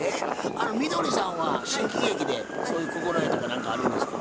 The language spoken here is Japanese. みどりさんは新喜劇でそういう心得とか何かあるんですか？